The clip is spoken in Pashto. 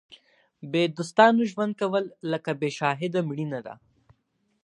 بې دوستانو ژوند کول لکه بې شاهده مړینه ده.